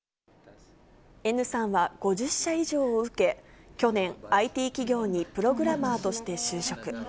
Ｎさんは５０社以上を受け、去年、ＩＴ企業にプログラマーとして就職。